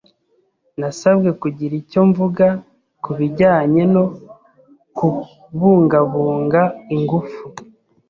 Nasabwe kugira icyo mvuga kubijyanye no kubungabunga ingufu.